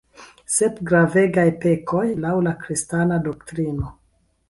Sep gravegaj pekoj, laŭ la kristana doktrino.